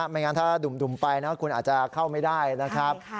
ไม่งั้นถ้าดุ่มไปนะคุณอาจจะเข้าไม่ได้นะครับ